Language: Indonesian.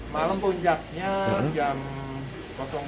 malam punjaknya jam dua